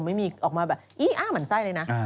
ไม่มีออกมาแบบอี้อ้าหมั่นไส้เลยนะ